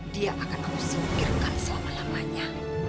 dia akan kamu singkirkan selama lamanya